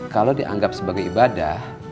kalau dianggap sebagai ibadah